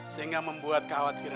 sehingga membuat kekhawatiran kita